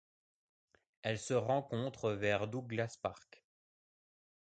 Elle se rencontre vers Douglas Park.